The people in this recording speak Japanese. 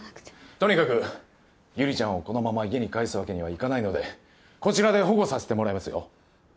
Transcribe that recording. とにかく悠里ちゃんをこのまま家に帰すわけにはいかないのでこちらで保護させてもらいますよ。